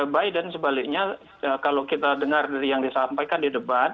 biden sebaliknya kalau kita dengar dari yang disampaikan di debat